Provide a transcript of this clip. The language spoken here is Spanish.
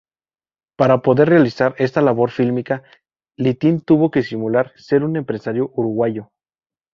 Para poder realizar esta labor fílmica, Littín tuvo que simular ser un empresario uruguayo.